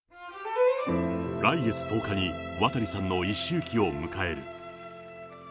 来月１０日に渡さんの一周忌を迎える。